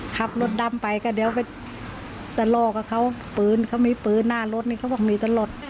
ขับรถดำไปก็เดี๋ยวไปจะลอกกับเขาปืนเขามีปืนหน้ารถนี่เขาบอกมีตลอด